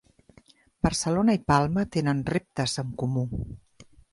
Barcelona i Palma tenen reptes en comú